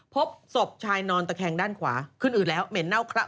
พบศพชายนอนตะแคงด้านขวาขึ้นอืดแล้วเหม็นเน่าคละ